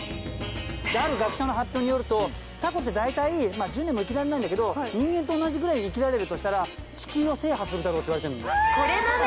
ある学者の発表によるとタコってだいたい１０年も生きられないんだけど人間と同じぐらい生きられるとしたら地球を制覇するだろうっていわれてんの。